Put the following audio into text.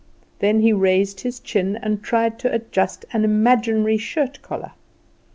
Then he raised his chin and tried to adjust an imaginary shirt collar.